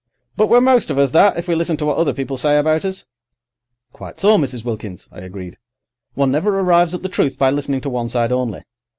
"But we're most of us that, if we listen to what other people say about us." "Quite so, Mrs. Wilkins," I agreed. "One never arrives at the truth by listening to one side only.